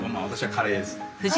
カレーで。